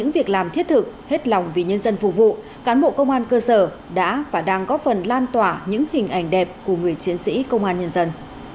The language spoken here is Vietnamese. việc làm thiết thực hết lòng vì nhân dân phục vụ cán bộ công an cơ sở đã và đang góp phần lan tỏa những hình ảnh đẹp của người chiến sĩ công an nhân dân